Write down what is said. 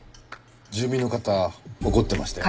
住民の方怒ってましたよ。